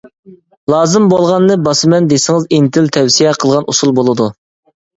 لازىم بولغاننى باسىمەن دېسىڭىز ئىنتىل تەۋسىيە قىلغان ئۇسۇل بولىدۇ.